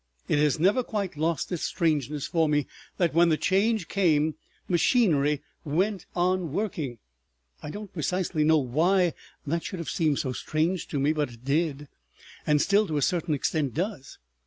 It has never quite lost its strangeness for me that when the Change came, machinery went on working. I don't precisely know why that should have seemed so strange to me, but it did, and still to a certain extent does.